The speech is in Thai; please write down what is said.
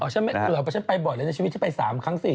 เกือบว่าฉันไปบ่อยเลยในชีวิตที่ไป๓ครั้ง๔ครั้ง